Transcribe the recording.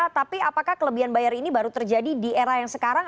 tapi apakah kelebihan bayar ini baru terjadi di era yang sekarang